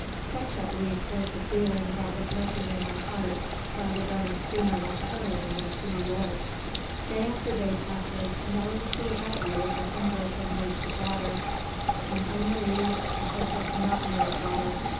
Such, at least, was the feeling that was lurking in my heart while the Bremen steamer was carrying me to New York. Day after day passes and all you see about you is an unbroken waste of water, an unrelieved, a hopeless monotony of water.